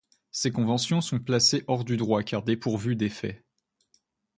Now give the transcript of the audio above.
Ces conventions sont placées hors du droit car dépourvues d'effet.